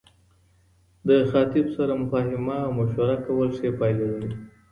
د خاطب سره مفاهمه او مشوره کول ښې پايلي لري